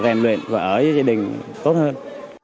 rèn luyện và ở với gia đình tốt hơn